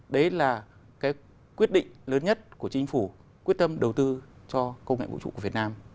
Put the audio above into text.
đấy là cái quyết định lớn nhất của chính phủ quyết tâm đầu tư cho công nghệ vũ trụ của việt nam